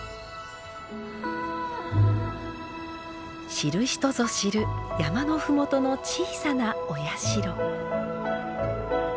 知る人ぞ知る山の麓の小さなお社。